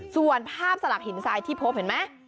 ส่วนภาพสลักหินทรายที่พบเห็นไหม